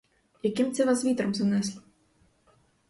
Яким це вас вітром занесло?